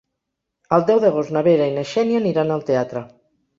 El deu d'agost na Vera i na Xènia aniran al teatre.